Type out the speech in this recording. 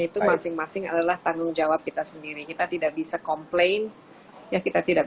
itu masing masing adalah tanggung jawab kita sendiri kita tidak bisa komplain ya kita tidak